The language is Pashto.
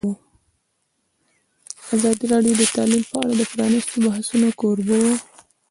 ازادي راډیو د تعلیم په اړه د پرانیستو بحثونو کوربه وه.